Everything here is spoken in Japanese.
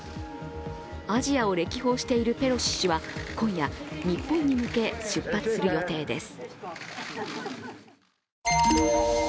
アジアを歴訪しているペロシ氏は今夜、日本に向け出発する予定です